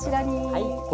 はい。